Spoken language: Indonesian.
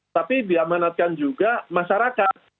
tapi diamanatkan juga masyarakat